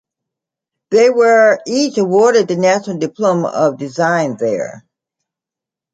They were each awarded the National Diploma of Design there.